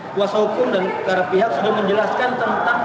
kuasa hukum dan para pihak sudah menjelaskan tentang